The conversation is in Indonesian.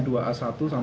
di wilayahnya argo pusul